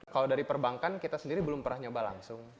kalau dari perbankan kita sendiri belum pernah nyoba langsung